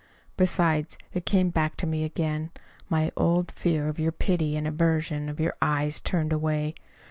Besides, it came back to me again my old fear of your pity and aversion, of your eyes turned away.